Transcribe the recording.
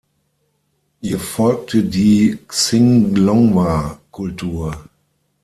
Ihr folgte die Xinglongwa-Kultur.